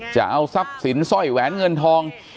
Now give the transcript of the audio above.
จะเอาทรัพย์สินสร้อยแหวนเงินทอง